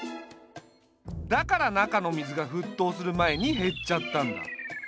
だから中の水が沸騰する前に減っちゃったんだ。